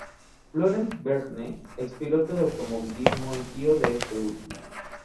Florent Vergne, expiloto de automovilismo, y tío de este último.